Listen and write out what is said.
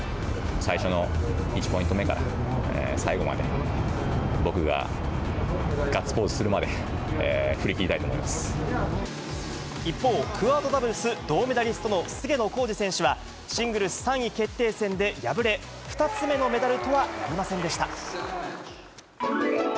最初の１ポイント目から最後まで僕がガッツポーズするまで、一方、クアードダブルス銅メダリストの菅野浩二選手は、シングルス３位決定戦で敗れ、２つ目のメダルとはなりませんでした。